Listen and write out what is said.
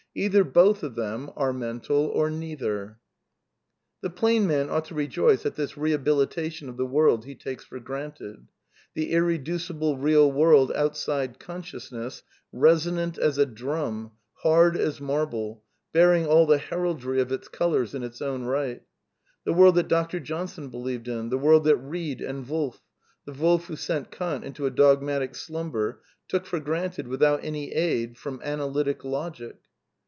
Either both of them are mental or neither." (Ihid. pp. 17, 18.) The plain man ought to rejoice at this rehabilitation of the world he takes for granted ; the irreducible real world outside consciousness, resonant as a drum^ hard as marble, bearing all the heraldry of its colours in its own right; the world that Dr. Johnson believed in; the world that Eeid and Wolf — the Wolf who sent Kant into a dogmatic slumber — took for granted without any aid from analytic logic.